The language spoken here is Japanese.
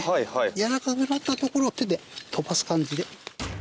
やわらかくなったところを手で飛ばす感じで。